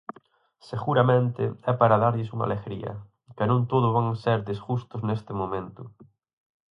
Seguramente, é para darlles unha alegría, que non todo van ser desgustos neste momento.